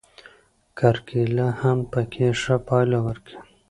کرکېله هم پکې ښه پایله ورکوي.